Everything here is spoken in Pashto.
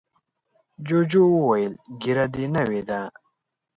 جوجو وویل ږیره دې نوې ده.